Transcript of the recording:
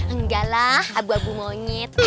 enggak lah abu abu monyet